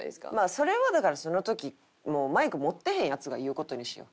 それはだからその時マイク持ってへんヤツが言う事にしよう。